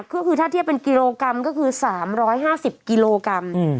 ก็คือถ้าเทียบเป็นกิโลกรัมก็คือ๓๕๐กิโลกรัม